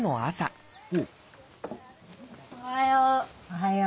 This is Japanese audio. おはよう。